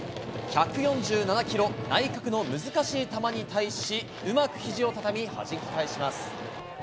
１４７キロ、内角の難しい球に対し、うまくひじをたたみはじき返します。